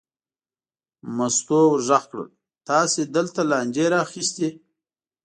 مستو ور غږ کړل: تاسې دلته لانجې را اخیستې.